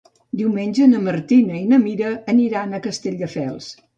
Diumenge na Martina i na Mira aniran a Castelldefels.